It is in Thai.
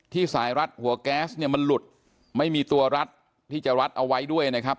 สายรัดหัวแก๊สเนี่ยมันหลุดไม่มีตัวรัดที่จะรัดเอาไว้ด้วยนะครับ